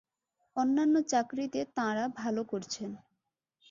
অন্যান্য চাকরিতে তাঁরা ভালো করছেন।